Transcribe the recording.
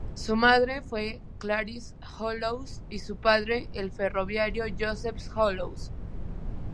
Su madre fue Clarice Hollows y su padre, el ferroviario, Joseph Hollows.